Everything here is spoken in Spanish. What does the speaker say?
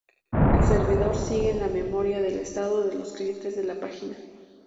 El servidor sigue la memoria del estado de los clientes en la página.